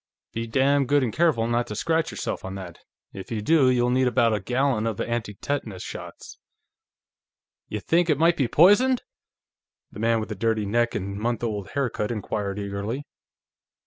"Be damn good and careful not to scratch yourself on that; if you do, you'll need about a gallon of anti tetanus shots." "Y'think it might be poisoned?" the man with the dirty neck and the month old haircut inquired eagerly.